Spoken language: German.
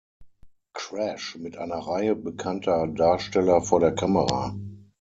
Crash" mit einer Reihe bekannter Darsteller vor der Kamera.